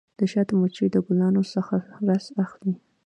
د شاتو مچۍ د ګلانو څخه رس اخلي.